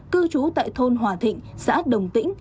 cư trú tại thôn hòa thịnh xã đồng tĩnh